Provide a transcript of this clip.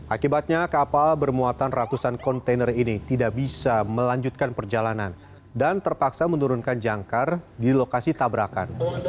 akibatnya kapal bermuatan ratusan kontainer ini tidak bisa melanjutkan perjalanan dan terpaksa menurunkan jangkar di lokasi tabrakan